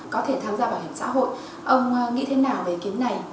có thể tham gia bảo hiểm xã hội ông nghĩ thế nào về ý kiến này